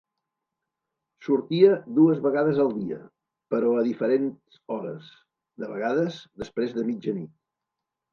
Sortia dues vegades al dia, però a diferents hores, de vegades després de mitjanit.